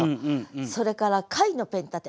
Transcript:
それから「貝のペン立て」。